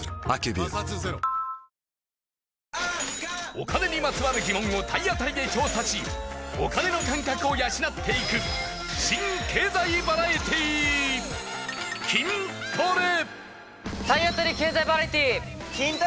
お金にまつわる疑問を体当たりで調査しお金の感覚を養っていく新経済バラエティー体当たり経済バラエティー！